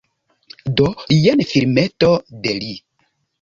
Do, jen filmeto de li!